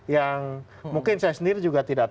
yang mungkin saya sendiri juga tidak tahu